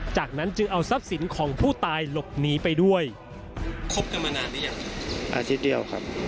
จากนั้นจึงเอาทรัพย์สินของผู้ตายหลบหนีไปด้วย